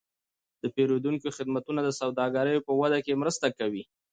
د پیرودونکو خدمتونه د سوداګرۍ په وده کې مرسته کوي.